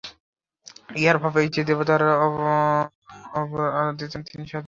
ইহার ভাব এই যে দেবতা আরাধিত হন, তিনি সাহায্যপ্রাপ্ত হন ও সাহায্য করেন।